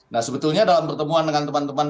nah sebetulnya dalam pertemuan dengan teman teman